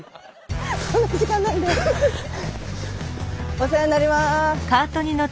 お世話になります。